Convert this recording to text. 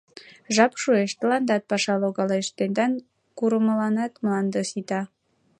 — Жап шуэш — тыландат паша логалеш, тендан курымланат мланде сита.